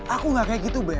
aku gak kayak gitu be